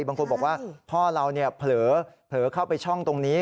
บางคนบอกว่าพ่อเราเผลอเข้าไปช่องตรงนี้